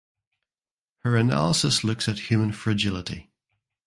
Her analysis looks at human fragility.